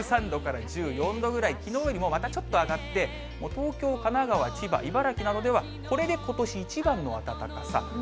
１３度から１４度ぐらい、きのうよりもまたちょっと上がって、東京、神奈川、千葉、茨城などでは、これでことし一番の暖かさ。